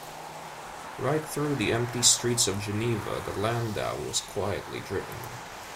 Right through the empty streets of Geneva the landau was quietly driven.